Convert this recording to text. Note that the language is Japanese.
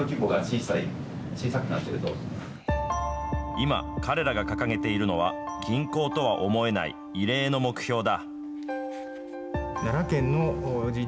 今、彼らが掲げているのは、銀行とは思えない異例の目標だ。